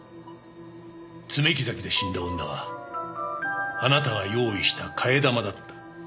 爪木崎で死んだ女はあなたが用意した替え玉だった。